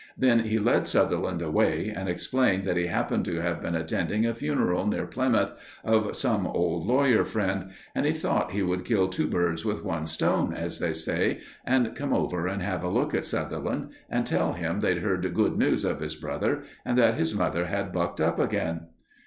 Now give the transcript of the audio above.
Then he led Sutherland away and explained that he happened to have been attending a funeral, near Plymouth, of some old lawyer friend; and he thought he would kill two birds with one stone, as they say, and come over and have a look at Sutherland and tell him they'd heard good news of his brother and that his mother had bucked up again.